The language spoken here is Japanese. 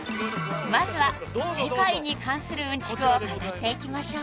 ［まずは世界に関するうんちくを語っていきましょう］